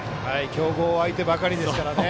強豪相手ばかりですからね。